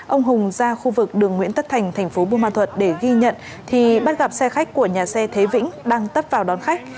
ông hùng ra khu vực đường nguyễn tất thành thành phố buôn ma thuật để ghi nhận thì bắt gặp xe khách của nhà xe thế vĩnh đang tấp vào đón khách